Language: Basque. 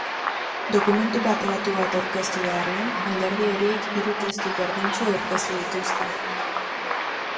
Dokumentu bateratu bat aurkeztu beharrean, alderdi horiek hiru testu berdintsu aurkeztu dituzte.